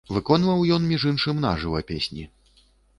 Выконваў ён, між іншым, на жыва песні.